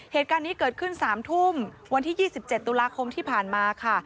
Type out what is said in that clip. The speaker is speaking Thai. เหตุการณ์นี้เกิดขึ้น๓ทุ่มวันที่๒๗ตุลาคมที่ผ่านมาค่ะ